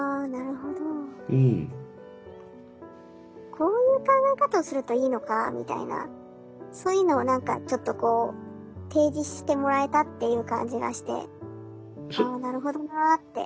こういう考え方をするといいのかみたいなそういうのを何かちょっとこう提示してもらえたっていう感じがしてああなるほどなあって。